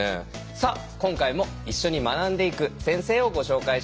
さあ今回も一緒に学んでいく先生をご紹介したいと思います。